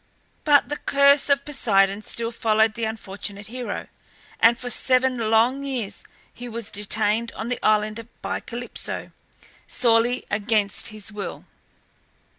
But the curse of Poseidon still followed the unfortunate hero, and for seven long years he was detained on the island by Calypso, sorely against his will.